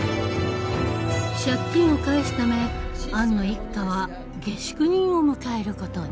借金を返すためアンの一家は下宿人を迎えることに。